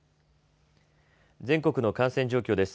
全国の感染状況です。